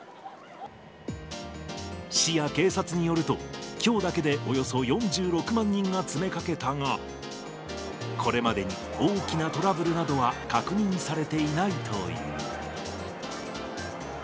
市や警察によると、きょうだけでおよそ４６万人が詰めかけたが、これまでに大きなトラブルなどは確認されていないという。